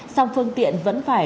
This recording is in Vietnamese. xong phương tiện vẫn phải